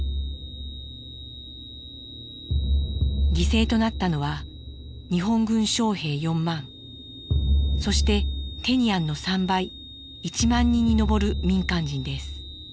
犠牲となったのは日本軍将兵４万そしてテニアンの３倍１万人に上る民間人です。